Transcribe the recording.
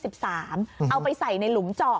เอาไปใส่ในหลุมเจาะ